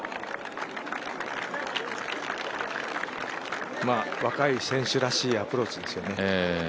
まあ若い選手らしいアプローチですよね。